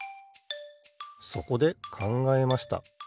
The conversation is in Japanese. そこでかんがえました。